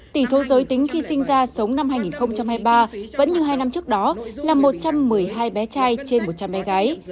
tỷ số giới tính khi sinh ra sống năm hai nghìn hai mươi ba vẫn như hai năm trước đó là một trăm một mươi hai bé trai trên một trăm linh bé gái